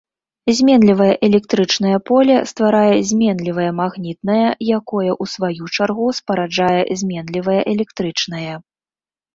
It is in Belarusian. Зменлівае электрычнае поле стварае зменлівае магнітнае, якое, у сваю чаргу спараджае зменлівае электрычнае.